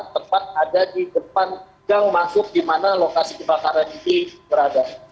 tepat ada di depan gang masuk di mana lokasi kebakaran ini berada